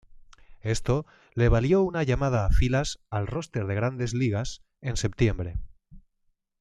Esto le valió una llamada a filas al roster de Grandes Ligas en septiembre.